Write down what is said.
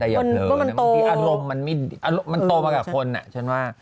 แต่อย่าเผลอนะบางทีอารมณ์มันโตมากับคนอ่ะฉันว่า